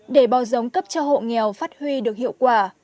để bò giống cấp cho hộ nghèo phát huy được hiệu quả